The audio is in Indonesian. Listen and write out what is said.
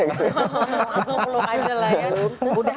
langsung peluk aja lah ya